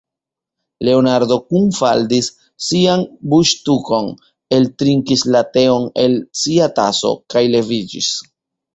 Leonardo kunfaldis sian buŝtukon, eltrinkis la teon el sia taso, kaj leviĝis.